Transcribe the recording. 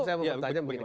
saya mau bertanya